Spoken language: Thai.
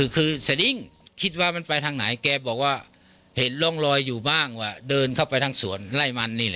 คือสดิ้งคิดว่ามันไปทางไหนแกบอกว่าเห็นร่องรอยอยู่บ้างว่าเดินเข้าไปทางสวนไล่มันนี่แหละ